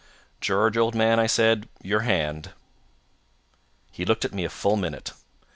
"'George, old man,' I said, 'your hand.' "He looked at me a full minute.